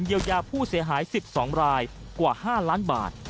เยียวยาผู้เสียหาย๑๒รายกว่า๕ล้านบาท